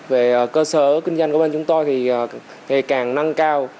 về cơ sở kinh doanh của bên chúng tôi thì ngày càng nâng cao